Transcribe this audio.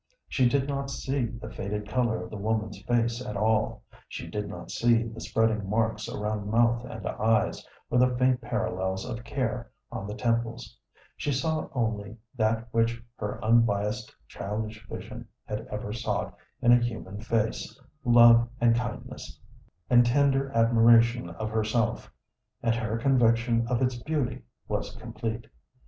She did not see the faded color of the woman's face at all; she did not see the spreading marks around mouth and eyes, or the faint parallels of care on the temples; she saw only that which her unbiased childish vision had ever sought in a human face, love and kindness, and tender admiration of herself; and her conviction of its beauty was complete.